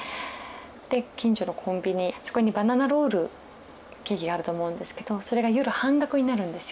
で近所のコンビニそこにバナナロールケーキがあると思うんですけどそれが夜半額になるんですよ。